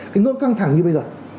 cái ngưỡng căng thẳng như bây giờ